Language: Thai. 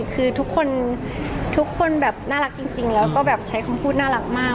คือทุกคนทุกคนแบบน่ารักจริงแล้วก็แบบใช้คำพูดน่ารักมาก